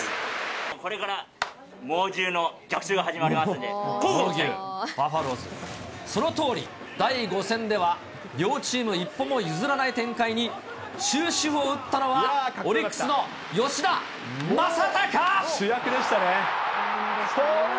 これから猛牛の逆襲が始まりますので、そのとおり、第５戦では、両チーム一歩も譲らない展開に、終止符を打ったのは、オリックス主役でしたね。